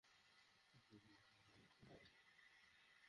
আমি এমন প্রতিশোধ নেবো, যা সে কখনো ভুলবে না।